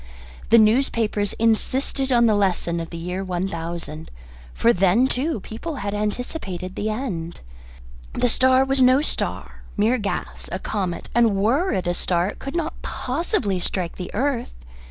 The newspapers insisted on the lesson of the year 1000 for then, too, people had anticipated the end. The star was no star mere gas a comet; and were it a star it could not possibly strike the earth.